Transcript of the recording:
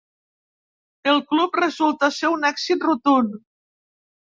El club resulta ser un èxit rotund.